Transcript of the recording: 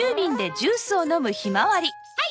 はい。